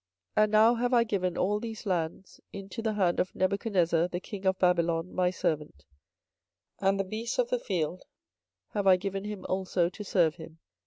24:027:006 And now have I given all these lands into the hand of Nebuchadnezzar the king of Babylon, my servant; and the beasts of the field have I given him also to serve him.